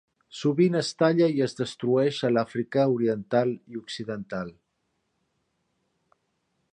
Sovint es talla i es destrueix a l'Àfrica oriental i occidental.